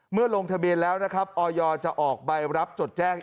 ลงทะเบียนแล้วนะครับออยจะออกใบรับจดแจ้ง